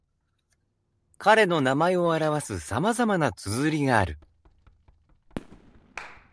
彼の名前を表す様々な綴りがある。